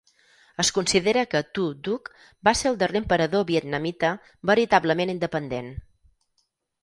Es considera que Tu Duc va ser el darrer emperador vietnamita veritablement independent.